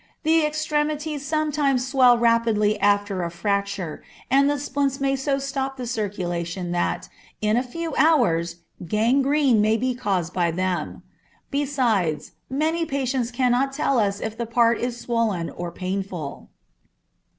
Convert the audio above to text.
The extremities sometimes swell rapidly after a fracture, and the splints may so stop the circulation that, in a few hours, gangrene may be caused by them. Besides, many patients cannot tell us if the part is swollen or painful.